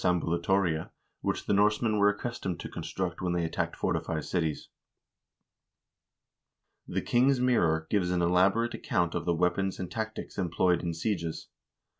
turris ambulatoria) which the Norsemen were accustomed to construct when they attacked fortified cities. "The King's Mirror" gives an elaborate account of the weapons and tactics employed in sieges.